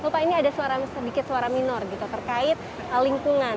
lupa ini ada sedikit suara minor gitu terkait lingkungan